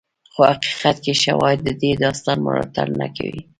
خو حقیقت کې شواهد د دې داستان ملاتړ نه کوي.